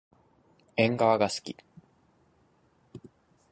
えんがわがすき。